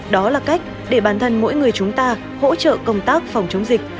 đó là cách để bản thân mỗi người chúng ta hỗ trợ công tác phòng chống dịch